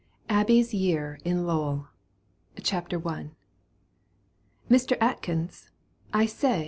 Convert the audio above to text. ABBY'S YEAR IN LOWELL. CHAPTER I. "Mr. Atkins, I say!